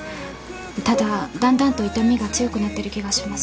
ただだんだんと痛みが強くなってる気がします。